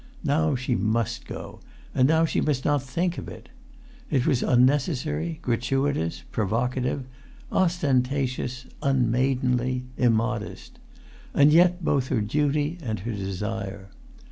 Now she must go; and now she must not think of it. It was unnecessary, gratuitous, provocative, ostentatious, unmaidenly, immodest—and yet—both her duty and her desire.